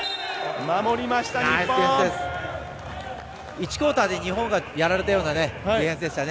１クオーターで日本がやられたようなディフェンスでしたね。